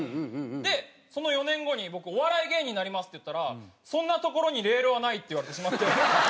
でその４年後に「僕お笑い芸人になります」って言ったら「そんな所にレールはない」って言われてしまって。